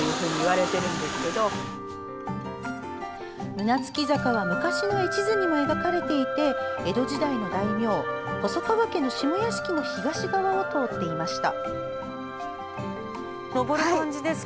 胸突坂は、昔の絵地図にも描かれていて江戸時代の大名細川家の下屋敷の東側を通っていました。